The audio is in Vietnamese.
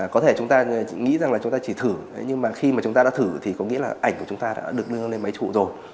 có thể chúng ta nghĩ rằng là chúng ta chỉ thử nhưng mà khi mà chúng ta đã thử thì có nghĩa là ảnh của chúng ta đã được đưa lên máy chủ rồi